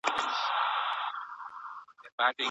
د محصلینو لیلیه په تصادفي ډول نه ټاکل کیږي.